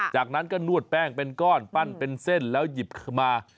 จากนั้นก็นวดแป้งเป็นก้อนปั้นเป็นเส้นแล้วหยิบมา